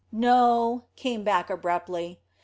"No," came back abruptly.